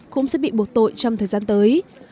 cũng sẽ bị buộc tội liên quan tới hành động khủng bố